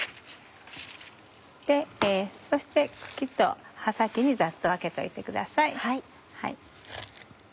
そして茎と葉先にざっと分けておいてください。